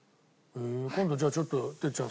今度じゃあちょっと哲ちゃん